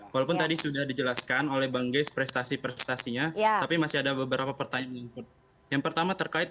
walaupun tadi sudah dijelaskan oleh bang geis prestasi prestasinya tapi masih ada beberapa pertanyaan yang pertama terkait